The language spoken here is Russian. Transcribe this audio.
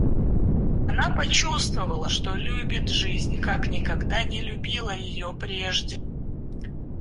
Она почувствовала, что любит жизнь, как никогда не любила ее прежде.